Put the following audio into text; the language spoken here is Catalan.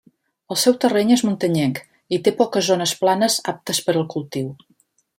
El seu terreny és muntanyenc i té poques zones planes aptes per al cultiu.